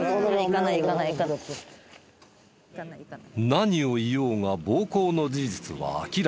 何を言おうが暴行の事実は明らか。